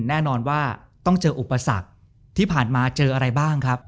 แน่นอนว่าต้องเจออุปสรรคที่ผ่านมาเจออะไรบ้างครับ